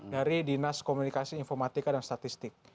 dari dinas komunikasi informatika dan statistik